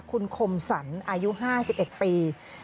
คุณคมสรรอายุ๕๑ปี